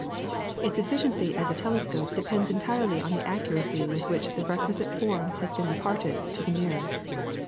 Its efficiency as a telescope depends entirely on the accuracy with which the requisite form has been imparted to the mirror.